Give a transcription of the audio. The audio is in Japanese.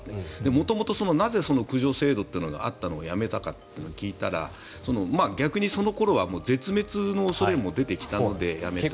元々なぜ、駆除制度があったのをやめたかと聞いたら逆にその頃は絶滅の恐れも出てきたのでやめたと。